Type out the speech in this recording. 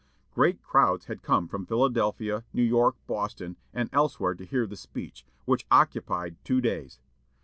Great crowds had come from Philadelphia, New York, Boston, and elsewhere to hear the speech, which occupied two days.